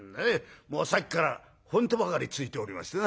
もうさっきから本当ばかりついておりましてな」。